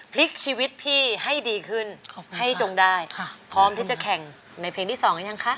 พลิกชีวิตพี่ให้ดีขึ้นให้จงได้ค่ะพร้อมที่จะแข่งในเพลงที่สองหรือยังคะ